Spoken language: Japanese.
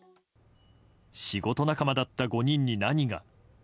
仕事仲間だった５人に何が。